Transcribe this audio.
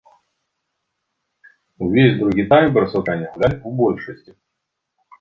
Увесь другі тайм барысаўчане гулялі ў большасці.